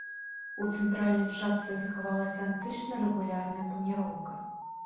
У цэнтральнай частцы захавалася антычная рэгулярная планіроўка.